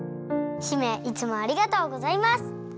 姫いつもありがとうございます！